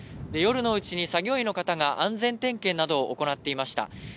夜のうちに作業員の方が安全点検などを行っていました。